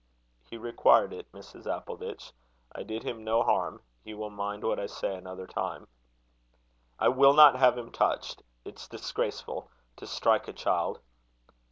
"He required it, Mrs. Appleditch. I did him no harm. He will mind what I say another time." "I will not have him touched. It's disgraceful. To strike a child!"